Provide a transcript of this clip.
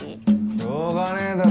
しょうがねえだろ